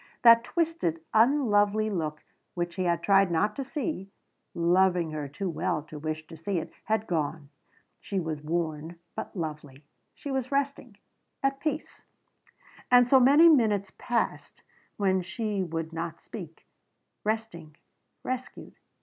That twisted, unlovely look which he had tried not to see, loving her too well to wish to see it, had gone. She was worn, but lovely. She was resting. At peace. And so many minutes passed when she would not speak resting, rescued.